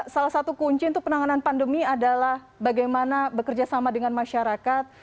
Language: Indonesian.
salah satu kunci untuk penanganan pandemi adalah bagaimana bekerja sama dengan masyarakat